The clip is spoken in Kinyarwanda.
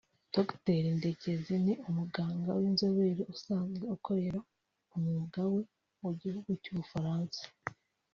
Dr Ndekezi ni umuganga w’inzobere usanzwe akorera umwuga we mu gihugu cy’u Bufaransa